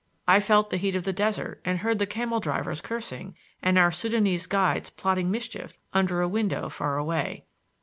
I felt the heat of the desert and heard the camel drivers cursing and our Sudanese guides plotting mischief under a window far away.